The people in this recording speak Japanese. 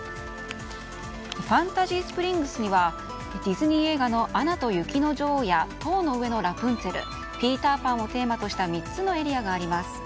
ファンタジースプリングスにはディズニー映画の「アナと雪の女王」や「塔の上のラプンツェル」「ピーター・パン」をテーマとした３つのエリアがあります。